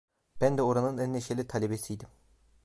Ben de oranın en neşeli talebesiydim…